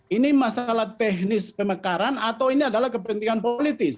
ini masalah teknis pemekaran atau ini adalah kepentingan politis